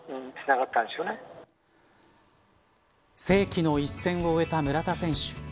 世紀の一戦を終えた村田選手。